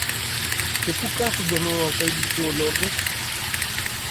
Και πού κάθουνταν ο αφέντης σου ο λόρδος;